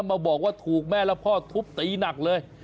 มาบอกว่าถูกแม่และพ่อทุบตีหนักเลย